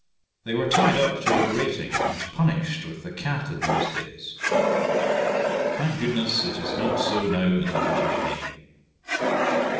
They were tied up to a grating and punished with the cat in those days. Thank goodness it is not so now in the British Navy.